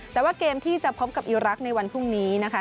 แต่ว่าเกมที่จะพบกับอีรักษ์ในวันพรุ่งนี้นะคะ